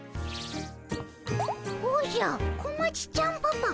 おじゃ小町ちゃんパパ